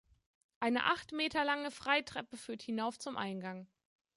Eine acht Meter lange Freitreppe führt hinauf zum Eingang.